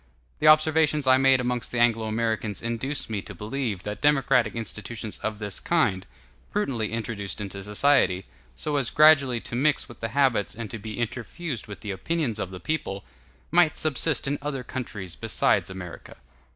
The observations I made amongst the Anglo Americans induce me to believe that democratic institutions of this kind, prudently introduced into society, so as gradually to mix with the habits and to be interfused with the opinions of the people, might subsist in other countries besides America.